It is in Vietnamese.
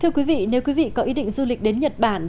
thưa quý vị nếu quý vị có ý định du lịch đến nhật bản